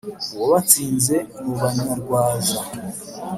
uwabatsinze mu banyarwaza